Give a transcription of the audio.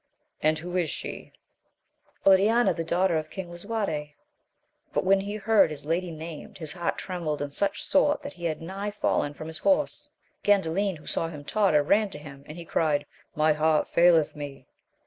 And who is she ? Oriana, the daughter of King Lisuarte. But when he heard his lady named, his heart trembled in such sort that he had nigh fallen from his horse. Gandalin, who saw him totter, ran to him, and he cried. My heart faileth me